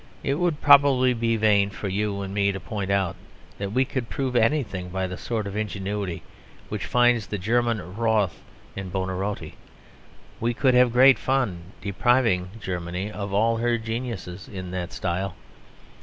It would probably be vain for you and me to point out that we could prove anything by the sort of ingenuity which finds the German "rothe" in Buonarotti. We could have great fun depriving Germany of all her geniuses in that style.